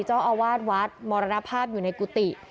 เจ้าอาวาสวัดมรณภาพอยู่ในกุฏิ